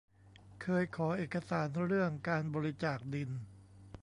เคยขอเอกสารเรื่องการบริจาคดิน